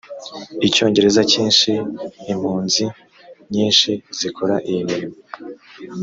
icyongereza cyinshi impunzi nyinshi zikora iyi mirimo